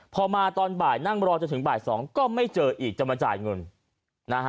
พอมาตอนบ่ายนั่งรอจนถึงบ่าย๒ก็ไม่เจออีกจะมาจ่ายเงินนะฮะ